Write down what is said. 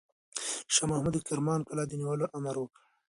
شاه محمود د کرمان قلعه د نیولو امر وکړ.